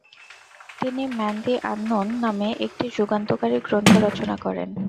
তিনি 'man the unknown' নামে একটি যুগান্তকারী গ্রন্থ রচনা করেন।